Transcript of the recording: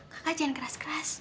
kakak jangan keras keras